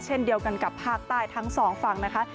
เช่นเดียวกันกับภาคใต้ทั้งสองฝั่งนะคะ